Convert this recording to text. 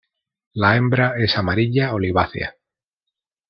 La hembra es amarilla olivácea.